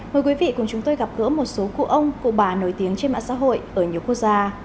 mời quý vị cùng chúng tôi gặp gỡ một số cụ ông cụ bà nổi tiếng trên mạng xã hội ở nhiều quốc gia